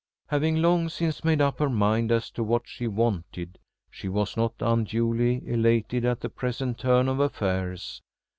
Having long since made up her mind as to what she wanted, she was not unduly elated at the present turn of affairs.